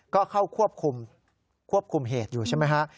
ก็เข้าควบคุมเหตุอยู่ใช่ไหมฮะ